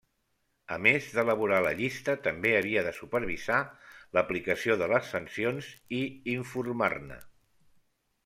A més d'elaborar la llista, també havia de supervisar l'aplicació de les sancions i informar-ne.